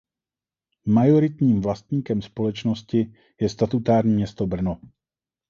Majoritním vlastníkem společnosti je Statutární město Brno.